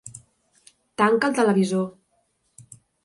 Tanca el televisor.